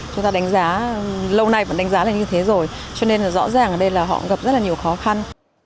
chúng ta đánh giá lâu nay bạn đánh giá là như thế rồi cho nên là rõ ràng ở đây là họ gặp rất là nhiều khó khăn